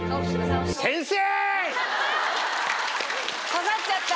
刺さっちゃった。